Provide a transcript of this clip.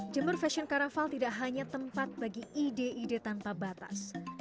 jember fashion carnaval tidak hanya tempat bagi ide ide tanpa batas